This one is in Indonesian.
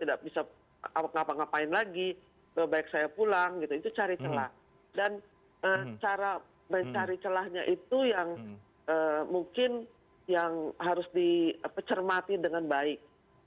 dan cara mencari celahnya itu yang mungkin yang harus dipecermati dengan baik